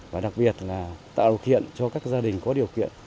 và đặc biệt là tạo điều kiện cho các gia đình có điều kiện